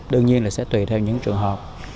đương nhiên là sẽ tùy theo những trường hợp